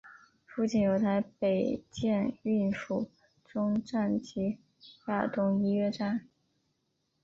附近有台北捷运府中站及亚东医院站。